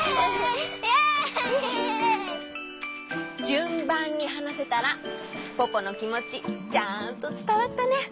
じゅんばんにはなせたらポポのきもちちゃんとつたわったね！